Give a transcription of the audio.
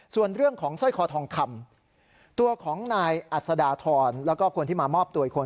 ส่วนเรื่องของสร้อยคอทองคำตัวของนายอัศดาธรแล้วก็คนที่มามอบตัวอีกคน